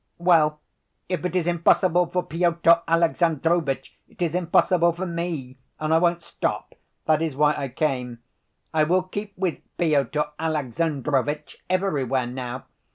"Well, if it is impossible for Pyotr Alexandrovitch, it is impossible for me, and I won't stop. That is why I came. I will keep with Pyotr Alexandrovitch everywhere now.